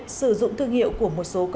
và sử dụng thương hiệu của một số doanh nghiệp